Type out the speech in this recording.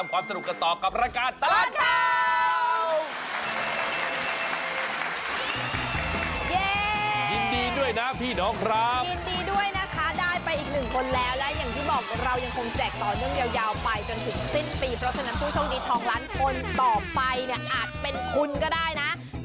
ความสนุกกันต่อกับรายการตลาดข่าว